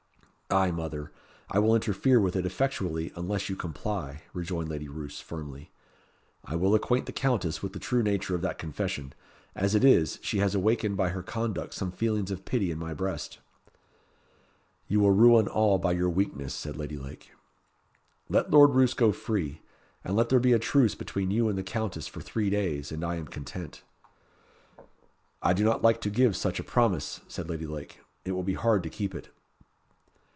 "Ay, mother, I will interfere with it effectually unless you comply," rejoined Lady Roos, firmly. "I will acquaint the Countess with the true nature of that confession. As it is, she has awakened by her conduct some feelings of pity in my breast." "You will ruin all by your weakness," said Lady Lake. "Let Lord Roos go free, and let there be a truce between you and the Countess for three days, and I am content." "I do not like to give such a promise," said Lady Lake. "It will be hard to keep it."